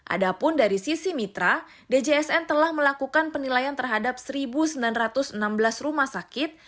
adapun dari sisi mitra djsn telah melakukan penilaian terhadap satu sembilan ratus enam belas rumah sakit